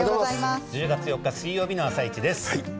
１０月４日水曜日の「あさイチ」です。